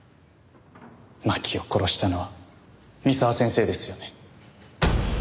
真希を殺したのは三沢先生ですよね？